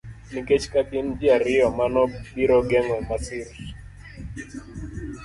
Nikech ka gin ji ariyo, mano biro geng'o masir